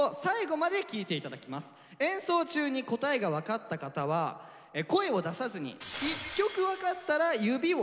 演奏中に答えが分かった方は声を出さずに１曲分かったら指を１本。